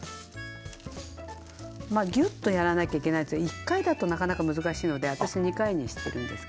まあギュッとやらなきゃいけないやつは１回だとなかなか難しいので私２回にしてるんですけど。